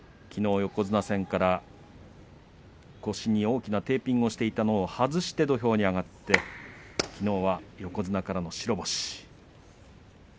きのう横綱戦から腰に大きなテーピングをしていたのを外して土俵に上がってきのうは横綱からの白星。